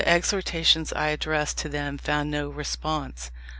The exhortations I addressed to them found no response.